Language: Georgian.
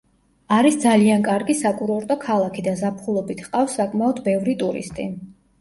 არის ძალიან კარგი საკურორტო ქალაქი და ზაფხულობით ჰყავს საკმაოდ ბევრი ტურისტი.